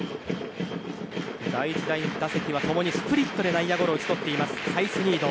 第１打席は共にスプリットで内野ゴロを打ち取っていますサイスニード。